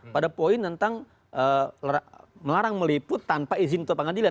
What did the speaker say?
pada poin tentang melarang meliput tanpa izin ketua pengadilan